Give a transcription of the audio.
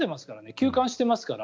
休館していますから。